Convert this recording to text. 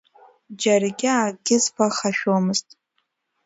Џьаргьы акгьы сԥыхьашәомызт.